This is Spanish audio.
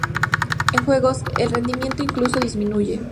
En juegos, el rendimiento incluso disminuye.